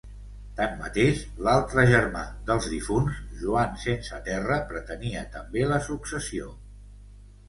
Tanmateix, l'altre germà dels difunts Joan sense Terra pretenia també la successió.